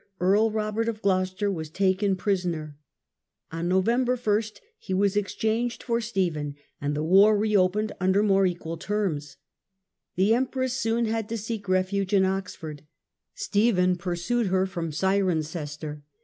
Earl Robert of Gloucester, was taken prisoner. On November i he was exchanged for Stephen, and the war reopened under more eqiial terms. The empress soon had to seek refuge in Oxford. Stephen pursued her from Cirencester.